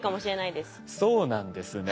そうなんですね。